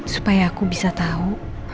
supaya aku bisa tau